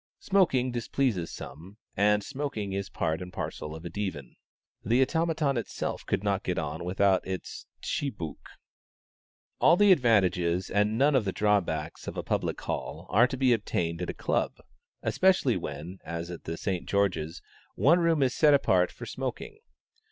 Smoking displeases some, and smoking is part and parcel of a divan. The Automaton itself could not get on without its tchibouk. All the advantages and none of the drawbacks of a public hall, are to be obtained at a club; especially when, as at the St. George's, one room is set apart for smoking.